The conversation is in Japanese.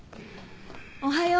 おはよう。